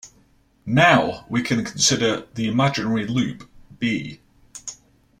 Now we can consider the imaginary loop "b".